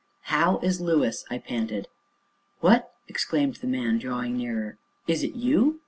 "How is Lewis?" I panted. "What," exclaimed the man, drawing nearer, "is it you?